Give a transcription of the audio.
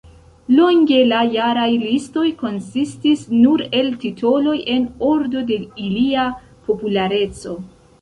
Longe la jaraj listoj konsistis nur el titoloj en ordo de ilia populareco.